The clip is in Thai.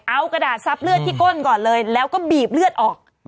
เอากระดาษซับเลือดที่ก้นก่อนเลยแล้วก็บีบเลือดออก